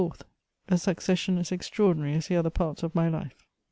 y — a saocesdon as extraordinary as the other parts of my life.